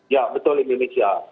ya betul indonesia